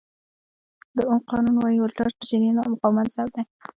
د اوم قانون وایي ولټاژ د جریان او مقاومت ضرب دی.